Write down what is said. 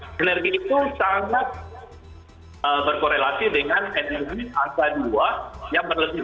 energi itu sangat berkorelasi dengan energi angka dua yang berlebihan